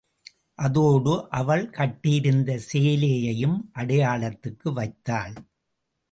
அதோடு அவள் கட்டியிருந்த சேலையையும் அடையாளத்துக்கு வைத்தாள்.